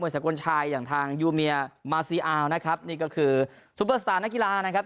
มวยสากลชายอย่างทางนะครับนี่ก็คือนักกีฬานะครับ